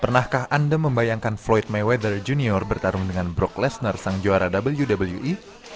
pernahkah anda membayangkan floyd mayweather jr bertarung dengan brock lesnar sang juara wwe